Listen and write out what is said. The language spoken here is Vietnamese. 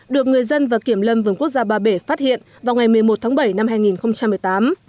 được người dân và kiểm lâm vườn quốc gia ba bể phát hiện vào ngày một mươi một tháng bảy năm hai nghìn một mươi tám